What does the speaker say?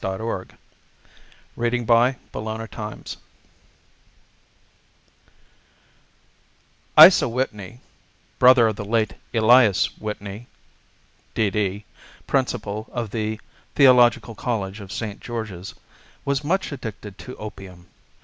VI. THE MAN WITH THE TWISTED LIP Isa Whitney, brother of the late Elias Whitney, D.D., Principal of the Theological College of St. George's, was much addicted to opium.